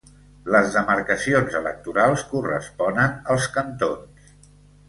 Les demarcacions electorals corresponen als cantons.